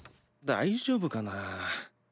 大丈夫かな？